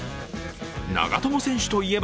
長友選手といえば